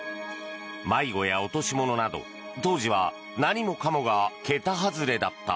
迷子や落とし物など当時は何もかもが桁外れだった。